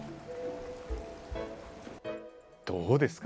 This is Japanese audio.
どうですか？